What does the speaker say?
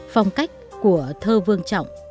phong cách của thơ vương trọng